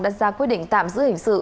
đã ra quyết định tạm giữ hình sự